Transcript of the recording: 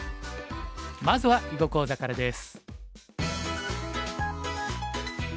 まずは囲碁講座からです。